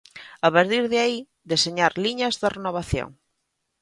A partir de aí, deseñar liñas de renovación.